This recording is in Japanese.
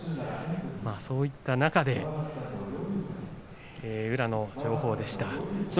そういった中で宇良の情報でした。